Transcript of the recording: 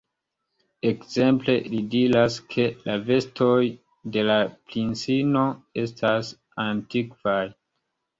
Ekzemple, li diras, ke la vestoj de la princino estas antikvaj.